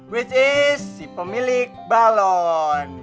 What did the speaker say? which is si pemilik balon